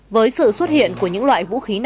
với sự xuất hiện của những loại vũ khí